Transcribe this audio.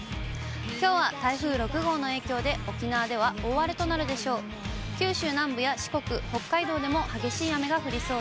きょうは台風６号の影響で、沖縄では大荒れとなるでしょう。